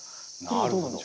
なるほど。